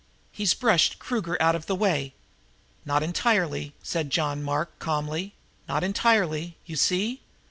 He's brushed Kruger out of his way " "Not entirely," said John Mark calmly, "not entirely, you see?"